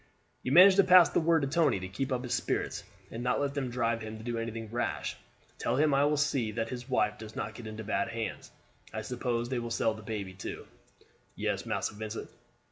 You manage to pass the word to Tony to keep up his spirits, and not let them drive him to do anything rash. Tell him I will see that his wife does not get into bad hands. I suppose they will sell the baby too?" "Yes, Massa Vincent.